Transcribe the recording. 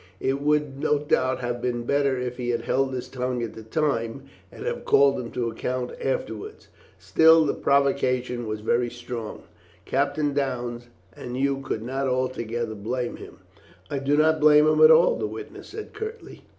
"It would no doubt have been better if he had held his tongue at the time, and have called him to account afterwards." "Still the provocation was very strong, Captain Downes, and you could not altogether blame him." "I did not blame him at all," the witness said curtly.